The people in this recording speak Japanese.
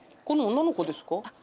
女の子です